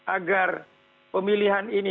agar pemilihan ini